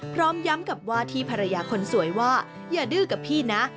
พร้อมย้ำกับว่าที่ภรรยาคนสวยว่าอย่าดื้อกับพี่นะ